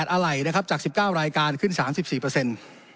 ๑๘อะไรนะครับจาก๑๙รายการขึ้น๓๔